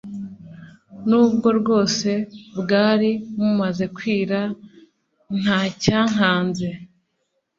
nubwo bwose bwari mumaze kwira.ntacyankanze